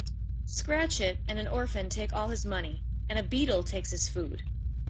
Scratchit and an orphan take all his money, and a beadle takes his food.